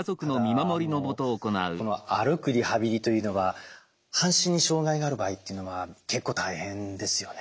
ただ歩くリハビリというのは半身に障害がある場合っていうのは結構大変ですよね？